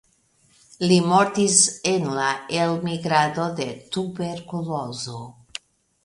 Li mortis en la elmigrado de tuberkulozo.